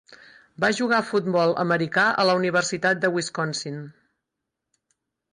Va jugar a futbol americà a la Universitat de Wisconsin.